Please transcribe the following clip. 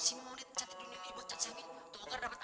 ibu cantik jasemi tukar dapet